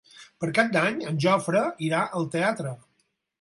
Per Cap d'Any en Jofre irà al teatre.